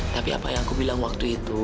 tapi apa yang aku bilang waktu itu